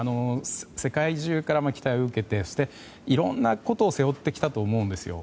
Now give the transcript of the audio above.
世界中からの期待を受けてそして、いろんなことを背負ってきたと思うんですよ。